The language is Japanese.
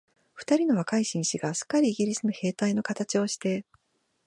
二人の若い紳士が、すっかりイギリスの兵隊のかたちをして、